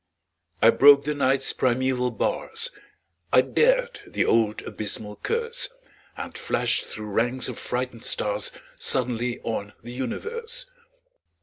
I broke the Night's primeval bars, I dared the old abysmal curse, And flashed through ranks of frightened stars Suddenly on the universe!